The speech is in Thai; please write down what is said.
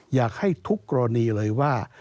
อยากให้ทุกกรณีเลยว่า